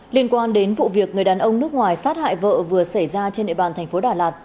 liên quan đến vụ việc người đàn ông nước ngoài sát hại vợ vừa xảy ra trên địa bàn thành phố đà lạt